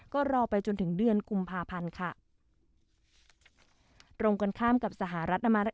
ก็รอไปจนถึงเดือนกุมภาพันธ์ค่ะตรงกันข้ามกับสหรัฐอเมริ